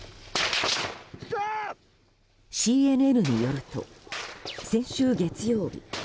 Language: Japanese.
ＣＮＮによると先週月曜日